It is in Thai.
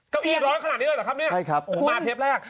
เก้าอี้ร้อนขนาดนี้เลยเหรอครับเนี่ยมาเทปแรกใช่ครับ